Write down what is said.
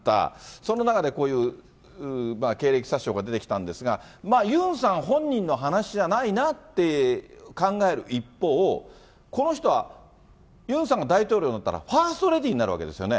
その中で、こういう経歴詐称が出てきたんですが、ユンさん本人の話じゃないなって考える一方、この人はユンさんが大統領になったら、ファーストレディーになるわけですよね。